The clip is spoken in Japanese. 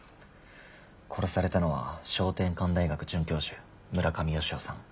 殺されたのは翔天館大学准教授村上好夫さん。